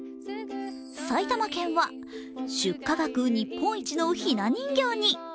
埼玉県は、出荷額日本一のひな人形に。